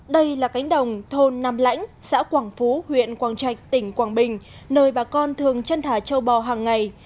đây là cánh đồng thôn nam lãnh xã quảng phú huyện quảng trạch tỉnh quảng bình nơi bà con thường chân thả châu bò hàng ngày